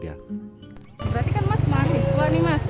berarti kan mas mahasiswa nih mas